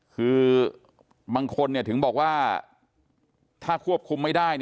คือบางคนถึงบอกว่าถ้าควบคุมไม่ได้